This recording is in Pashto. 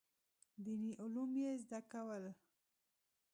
دیني علوم یې زده کول.